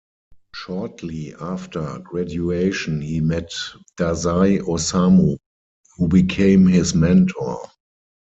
Shortly after graduation, he met Dazai Osamu, who became his mentor.